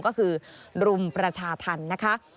ก็คือรุมประชาธรรมนะคะ